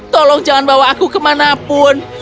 tolong jangan bawa aku kemanapun